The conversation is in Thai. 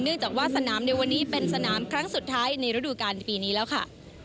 จากว่าสนามในวันนี้เป็นสนามครั้งสุดท้ายในฤดูการปีนี้แล้วค่ะ